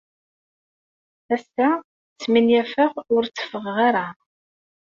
Ass-a, smenyafeɣ ur tteffɣeɣ ara.